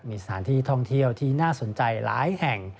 มีสถานที่ท่องเที่ยวที่น่าสนใจหลายแห่ง